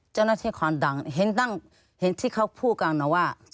เจ้าหน้าที่ของด่านเห็นที่เขาพูดกันว่า